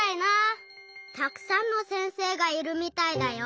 たくさんの先生がいるみたいだよ。